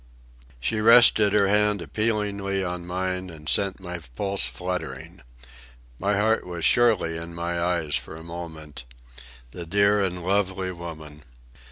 She rested her hand appealingly on mine, and sent my pulse fluttering. My heart was surely in my eyes for a moment. The dear and lovely woman!